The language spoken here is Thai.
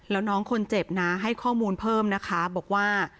แล้วน้องคนเจ็บนะให้ข้อมูลเพิ่มนะคะบอกว่า